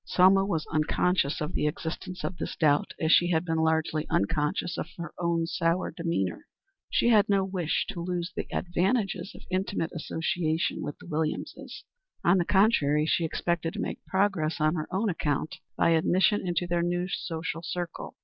Selma was unconscious of the existence of this doubt as she had been largely unconscious of her own sour demeanor. She had no wish to lose the advantages of intimate association with the Williamses. On the contrary, she expected to make progress on her own account by admission into their new social circle.